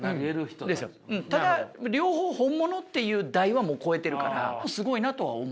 ただ両方本物っていう台はもう超えてるからすごいなとは思う。